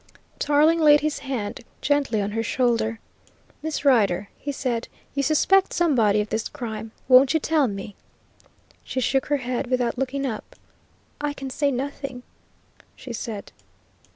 Tarling laid his hand gently on her shoulder. "Miss Rider," he said, "you suspect somebody of this crime. Won't you tell me?" She shook her head without looking up. "I can say nothing," she said.